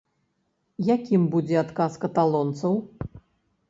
Якім будзе адказ каталонцаў?